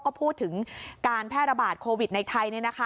ก็พูดถึงการแพร่ระบาดโควิดในไทย